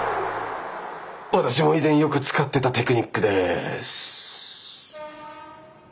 私も以前よく使ってたテクニックです。